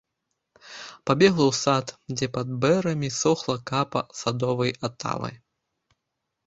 Пабегла ў сад, дзе пад бэрамі сохла капа садовай атавы.